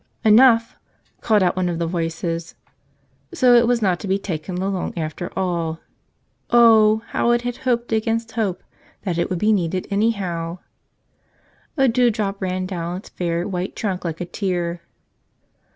"Enough," called out one of the voices. So it was not to be taken along after all ! Oh, how it had hoped against hope that it would be needed anyhow ! A dew drop ran down its fair white trunk like a tear.